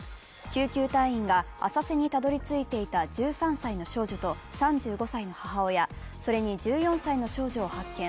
救急隊員が浅瀬にたどり着いていた１３歳の少女と３５歳の母親、それに１４歳の少女を発見。